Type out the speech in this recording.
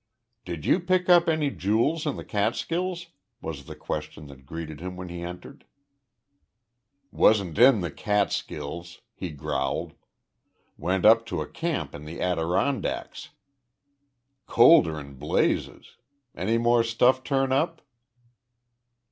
"Did you pick up any jewels in the Catskills?" was the question that greeted him when he entered. "Wasn't in the Catskills," he growled. "Went up to a camp in the Adirondacks colder'n blazes. Any more stuff turn up?"